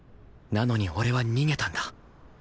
なのに俺は逃げたんだ